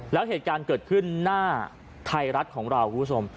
แล้วเหตุการณ์เกิดขึ้นหน้าไทยรัฐของเราคุณผู้ชม